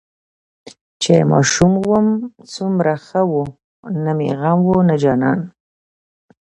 چې ماشوم وم سومره شه وو نه مې غم وو نه جانان.